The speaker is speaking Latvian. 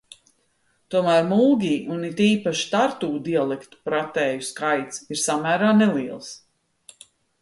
Tomēr mulgi un it īpaši tartu dialekta pratēju skaits ir samērā neliels.